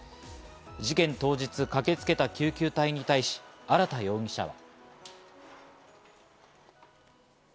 事件当日駆けつけた救急隊に対し、荒田容疑者は。